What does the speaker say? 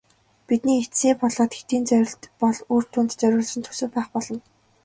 Бидний эцсийн болоод хэтийн зорилт бол үр дүнд суурилсан төсөв байх болно.